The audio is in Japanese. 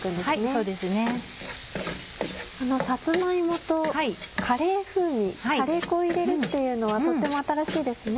そのさつま芋とカレー風味カレー粉を入れるっていうのはとっても新しいですね。